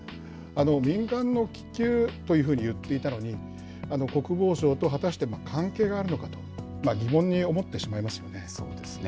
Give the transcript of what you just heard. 民間の気球というふうにいっていたのに、国防省と果たして関係があるのかと、疑問に思ってしまいますよね。